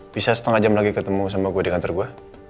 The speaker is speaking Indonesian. bisa setengah jam lagi ketemu sama gue di kantor gue